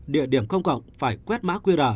địa điểm công cộng phải quét má quy r